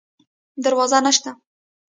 دروازه نشته